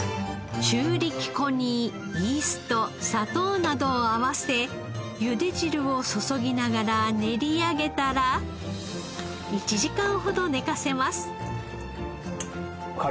中力粉にイースト砂糖などを合わせゆで汁を注ぎながら練り上げたら１時間ほど寝かせます。